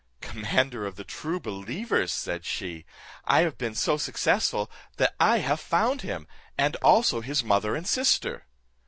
"Commander of the true believers," said she, "I have been so successful, that I have found him, and also his mother and sister."